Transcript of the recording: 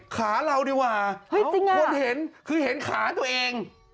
ขาเราดีกว่าคนเห็นคือเห็นขาตัวเอง